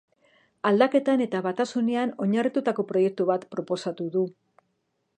Aldaketan eta batasunean oinarritutako proiektu bat proposatu du.